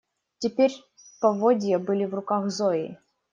Теперь поводья были в руках Зои.